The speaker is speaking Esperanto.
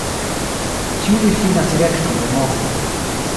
Tiu difinas direkton de movo.